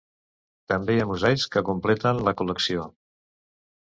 També hi ha mosaics que completen la col·lecció.